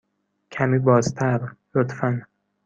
کمی بازتر، لطفاً.